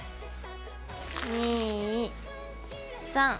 ２３。